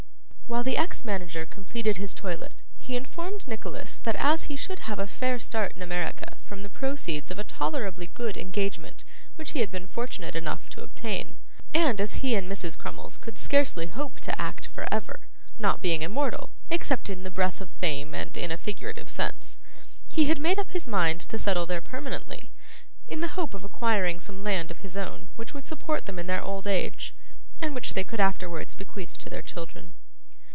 While the ex manager completed his toilet, he informed Nicholas that as he should have a fair start in America from the proceeds of a tolerably good engagement which he had been fortunate enough to obtain, and as he and Mrs. Crummles could scarcely hope to act for ever (not being immortal, except in the breath of Fame and in a figurative sense) he had made up his mind to settle there permanently, in the hope of acquiring some land of his own which would support them in their old age, and which they could afterwards bequeath to their children.